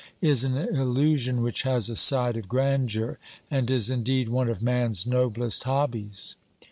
is an illusion which has a side of grandeur and is indeed one of man's noblest hobbies.